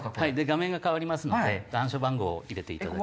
画面が変わりますので暗証番号を入れていただいて。